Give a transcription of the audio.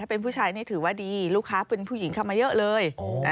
เป็นผู้ชายนี่ถือว่าดีลูกค้าเป็นผู้หญิงเข้ามาเยอะเลย